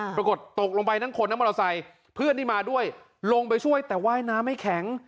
ปรากฏตกลงไปทั้งคนทั้งมอเตอร์ไซค์เพื่อนที่มาด้วยลงไปช่วยแต่ว่ายน้ำไม่แข็ง